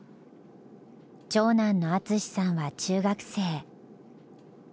長男の淳さんは中学生。